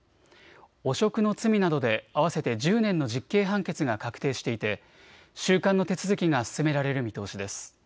汚職の罪などで合わせて１０年の実刑判決が確定していて収監の手続きが進められる見通しです。